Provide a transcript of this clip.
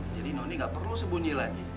jadi noni gak perlu sembunyi lagi ya